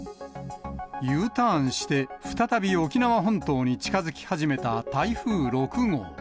Ｕターンして、再び沖縄本島に近づき始めた台風６号。